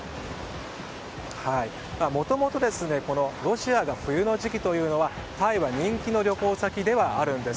もともとロシアが冬の時期というのはタイは人気の旅行先ではあるんです。